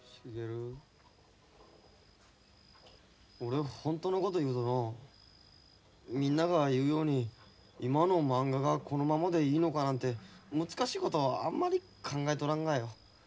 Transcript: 俺本当のこと言うとのうみんなが言うように今のまんががこのままでいいのかなんて難しいことはあんまり考えとらんがよ。